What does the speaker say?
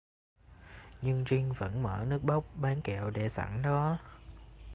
nhưng Trinh vẫn mở nước bóc bánh kẹo để sẵn đó